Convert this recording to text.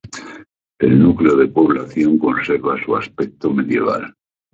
El núcleo de población conserva su aspecto medieval.